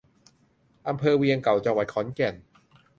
อำเภอเวียงเก่า จังหวัดขอนแก่น